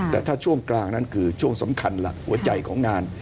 แต่ถ้าช่วงกลางนั้นคือช่วงสำคัญหลักหัวใจของงาน